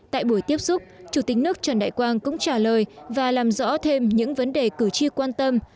tại buổi tiếp xúc chủ tịch nước trần đại quang cũng trả lời và làm rõ thêm những vấn đề cử tri quan tâm